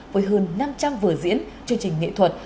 với hơn năm trăm linh vừa diễn chương trình nghệ thuật